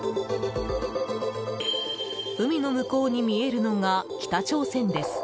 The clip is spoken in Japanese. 海の向こうに見えるのが北朝鮮です。